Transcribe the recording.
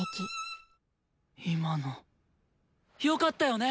今のよかったよね？